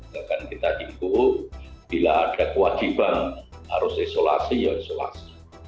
dan kita himbau bila ada kewajiban harus isolasi ya isolasi